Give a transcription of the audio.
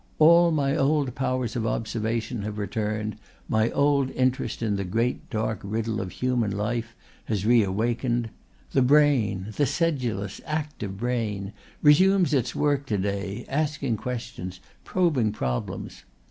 "All my old powers of observation have returned, my old interest in the great dark riddle of human life has re awakened. The brain, the sedulous, active brain, resumes its work to day asking questions, probing problems.